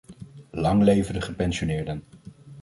Lang leve de gepensioneerden!